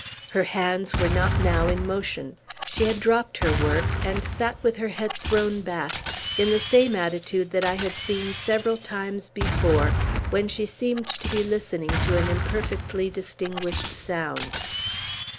Her hands were not now in motion. She had dropt her work, and sat with her head thrown back, in the same attitude that I had seen several times before, when she seemed to be listening to an imperfectly distinguished sound.